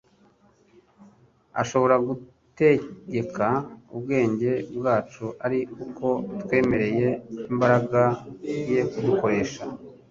Ashobora gutegeka ubwenge bwacu ari uko twemereye imbaraga ye kudukoresha.